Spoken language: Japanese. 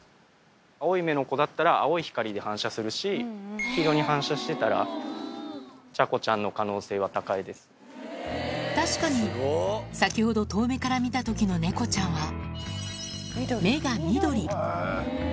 青い目の子だったら、青い光で反射するし、黄色に反射してたら、ちゃこちゃんの可能性確かに、先ほど遠目から見たときの猫ちゃんは、目が緑。